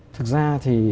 thực ra thì